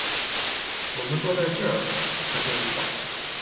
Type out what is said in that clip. “我们坐在这儿吧，”她建议道。